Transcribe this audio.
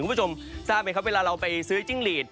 คุณผู้ชมทราบไหมครับเวลาเราไปซื้อจิ้งหลีด